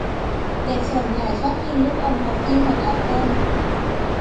เด็กส่วนใหญ่ชอบกินลูกอมทอฟฟี่รสแอปเปิ้ล